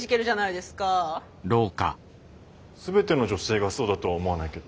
全ての女性がそうだとは思わないけど。